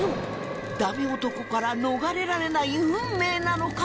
ダメ男から逃れられない運命なのか？